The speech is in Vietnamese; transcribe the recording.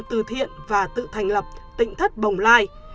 từ thiện và tự thành lập tỉnh thất bồng lai